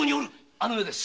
あの世です。